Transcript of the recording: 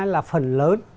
là phần lớn